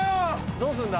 どうすんだ？